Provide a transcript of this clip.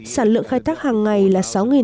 sản lượng khai thác hàng ngày là